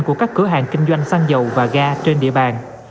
của các cửa hàng kinh doanh xăng dầu và ga trên địa bàn